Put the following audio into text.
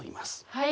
はい。